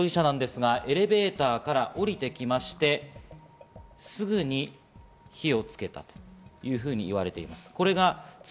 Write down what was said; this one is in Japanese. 谷本容疑者ですが、エレベーターから降りて来まして、すぐに火をつけたというふうに言われています。